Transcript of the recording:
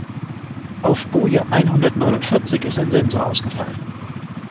Auf Boje einhundertneunundvierzig ist ein Sensor ausgefallen.